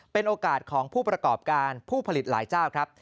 เป็นโอกาสของผู้ประกอบการผู้ผลิตหลายเจ้าครับ